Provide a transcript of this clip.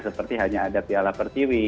seperti hanya ada piala persiwi